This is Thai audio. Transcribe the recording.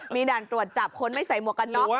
มีด่านตรวจจับคนไม่ใส่หมวกกันน็อก